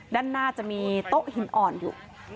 ด้านหน้าจะมีโต๊ะหินอ่อนอยู่